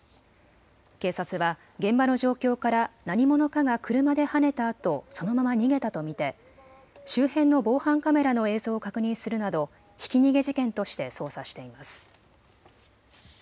警察は現場の状況から何者かが車ではねたあとそのまま逃げたと見て周辺の防犯カメラの映像を確認するなどひき逃げ事件として捜査しています。